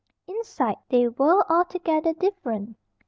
Inside, they were altogether different.